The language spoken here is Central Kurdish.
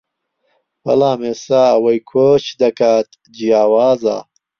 بەڵام ئێستا ئەوەی کۆچ دەکات جیاوازە